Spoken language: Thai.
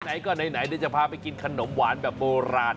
ไหนก็ไหนเดี๋ยวจะพาไปกินขนมหวานแบบโบราณ